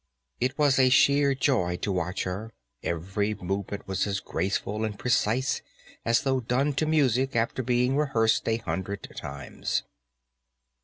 It was a sheer joy to watch her; every movement was as graceful and precise as though done to music after being rehearsed a hundred times.